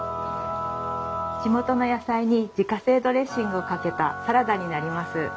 地元の野菜に自家製ドレッシングをかけたサラダになります。